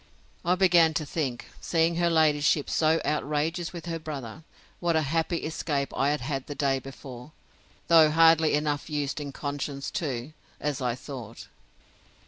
I began to think (seeing her ladyship so outrageous with her brother) what a happy escape I had had the day before, though hardly enough used in conscience too, as I thought.